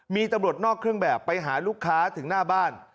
มีตำรวจนอกเครื่องแบบไปหาลูกค้าถึงหน้าบ้าน